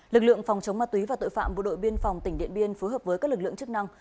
lực lượng phòng chống ma túy và tội phạm bộ đội biên phòng tỉnh điện biên phối hợp với các lực lượng chức năng